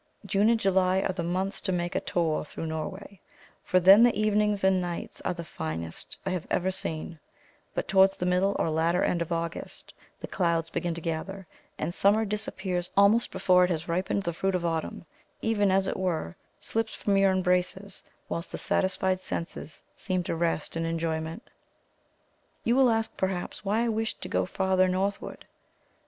June and July are the months to make a tour through Norway; for then the evenings and nights are the finest I have ever seen; but towards the middle or latter end of August the clouds begin to gather, and summer disappears almost before it has ripened the fruit of autumn even, as it were, slips from your embraces, whilst the satisfied senses seem to rest in enjoyment. You will ask, perhaps, why I wished to go farther northward.